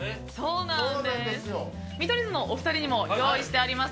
見取り図のお二人にも用意してあります。